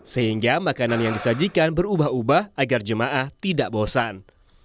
sehingga makanan yang disajikan berubah ubah agar jemaah tidak bosan